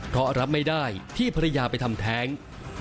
เพราะรับไม่ได้ที่ภรรยาไปทำแท้ง